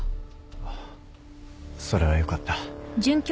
あっそれはよかった。